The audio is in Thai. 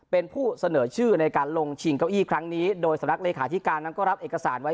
เป็นผู้เสนอชื่อในการลงชิงเก้าอี้ครั้งนี้โดยสำนักเลขาธิการนั้นก็รับเอกสารไว้